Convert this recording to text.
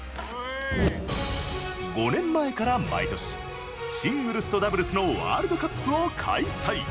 ５年前から毎年シングルスとダブルスのワールドカップを開催。